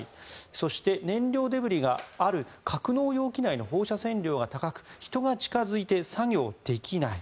そして、燃料デブリがある格の容器内の放射線量が高く人が近付いて作業できない。